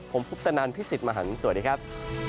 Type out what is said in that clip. ผมพุทธนันทร์พี่สิทธิ์มหังสวัสดีครับ